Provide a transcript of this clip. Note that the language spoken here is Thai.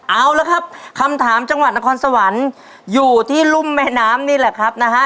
เอาละครับคำถามจังหวัดนครสวรรค์อยู่ที่รุ่มแม่น้ำนี่แหละครับนะฮะ